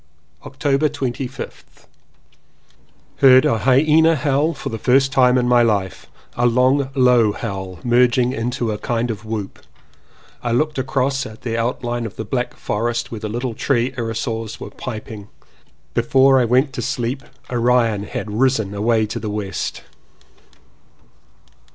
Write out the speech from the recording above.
October 25th. Heard a hyena howl for the first time in my life — a long low howl merging into a kind of whoop. I looked across at the out line of the black forest where the little tree irrisors were piping. Before I went to sleep Orion had risen away to the west.